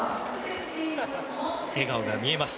笑顔が見えます。